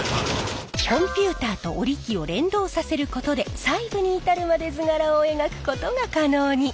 コンピューターと織り機を連動させることで細部に至るまで図柄を描くことが可能に。